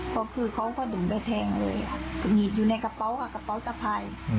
เพราะคือเขาก็ดุมแบบแทงเลยหงีดอยู่ในกระเป๋าค่ะกระเป๋าสะพาย